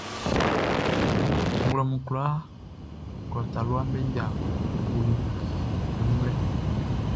Nglɛmun kwlaaʼn, klɔ taluaʼm be yia gboʼn i wun lɛ.